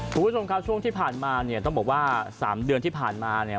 คุณผู้ชมครับช่วงที่ผ่านมาเนี่ยต้องบอกว่า๓เดือนที่ผ่านมาเนี่ย